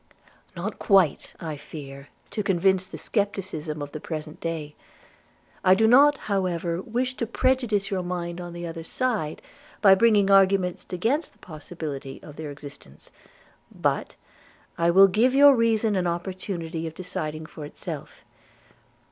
'Not quite, I fear, to convince the scepticism of the present day. I do not, however, wish to prejudice your mind on the other side, by bringing arguments against the possibility, of their existence; but I will give your reason an opportunity of deciding for itself.